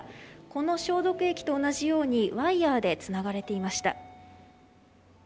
この消毒液と同じようにワイヤでつながれていました。